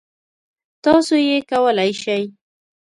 تاسو یې کولی شئ!